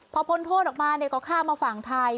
พอพ้นโทษออกมาก็ข้ามมาฝั่งไทย